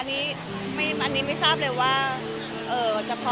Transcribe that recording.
อันนี้ไม่อันนี้ไม่ทราบเลยว่าเอ่อจะพอ